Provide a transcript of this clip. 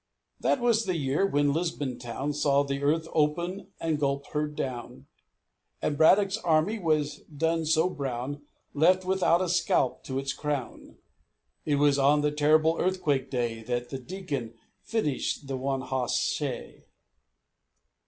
That was the year when Lisbon town Saw the earth open and gulp her down, And Braddock's army was done so brown, Left without a scalp to its crown. It was on the terrible Earthquake day That the Deacon finished the one hoss shay.